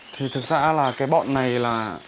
thì thực ra là cái bọn này là